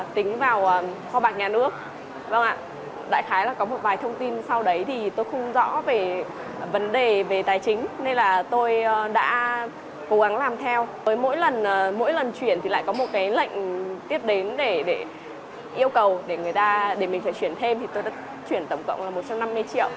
thì lại có một cái lệnh tiếp đến để yêu cầu để người ta để mình phải chuyển thêm thì tôi đã chuyển tổng cộng là một trăm năm mươi triệu